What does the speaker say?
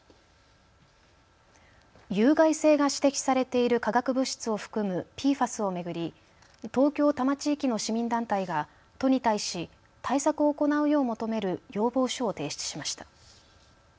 有害性が指摘されている化学物質を含むＰＦＡＳを巡り東京多摩地域の市民団体が都に対し対策を行うよう求める要望書を提出しました。